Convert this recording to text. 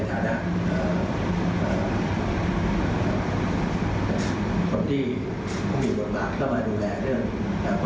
แต่ผมก็พูดในฐานะ